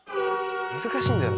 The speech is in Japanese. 難しいんだよな。